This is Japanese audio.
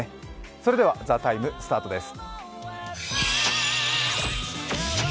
それでは、「ＴＨＥＴＩＭＥ，」スタートです。